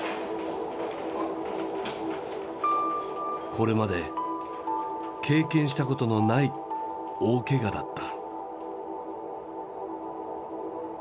これまで経験したことのない大けがだった。